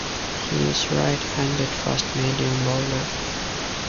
He is a right-handed fast medium bowler.